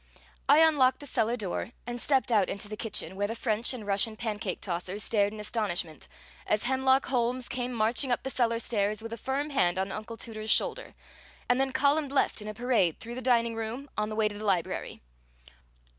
I unlocked the cellar door and stepped out into the kitchen, where the French and Russian pancake tossers stared in astonishment as Hemlock Holmes came marching up the cellar stairs with a firm hand on Uncle Tooter's shoulder, and then columned left in a parade through the dining room on the way to the library.